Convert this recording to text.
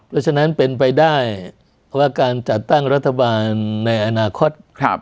เพราะฉะนั้นเป็นไปได้ว่าการจัดตั้งรัฐบาลในอนาคต